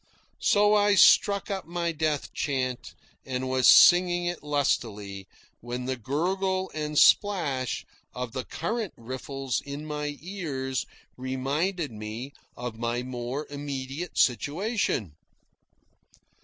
So I struck up my death chant and was singing it lustily, when the gurgle and splash of the current riffles in my ears reminded me of my more immediate situation.